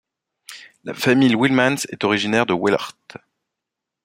La famille Wielemans est originaire de Hoeilaart.